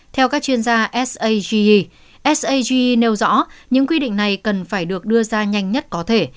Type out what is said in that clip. theo các chuyên gia sage sage nêu rõ những quy định này cần phải được đưa ra nhanh nhất có thể